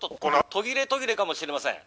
「途切れ途切れかもしれません」。